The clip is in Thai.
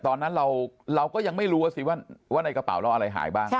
ตอนนั้นเราก็ยังไม่รู้ว่าสิว่าในกระเป๋าเราอะไรหายบ้าง